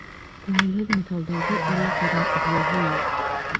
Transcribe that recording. Күңелһеҙ миҫалдарҙы әллә ҡайҙан эҙләйһе юҡ.